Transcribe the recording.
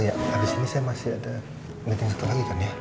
oh iya abis ini saya masih ada meeting setelah lagi kan ya